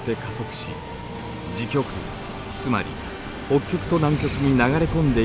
つまり北極と南極に流れ込んでいくのです。